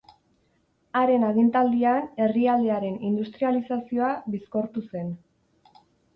Haren agintaldian, herrialdearen industrializazioa bizkortu zen.